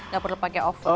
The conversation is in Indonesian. gak perlu pake oven